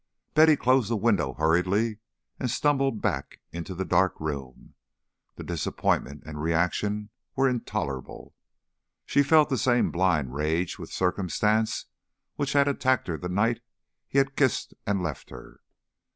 Betty closed the window hurriedly and stumbled back into the dark room. The disappointment and reaction were intolerable. She felt the same blind rage with Circumstance which had attacked her the night he had kissed and left her.